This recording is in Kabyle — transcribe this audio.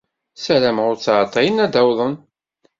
Ssarameɣ ur ttɛeḍḍilen ad d-awḍen.